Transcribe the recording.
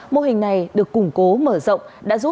mô hình này được củng cố mở rộng